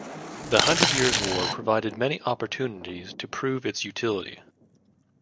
The Hundred Years War provided many opportunities to prove its utility.